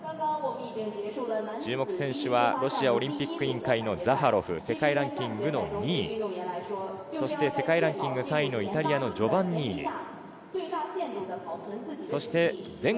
注目選手はロシアオリンピック委員会のザハロフ、世界ランキングの２位、世界ランキング３位、イタリアのジョバンニーニ。